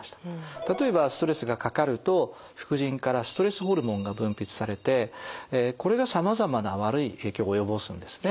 例えばストレスがかかると副腎からストレスホルモンが分泌されてこれがさまざまな悪い影響を及ぼすんですね。